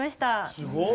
すごい。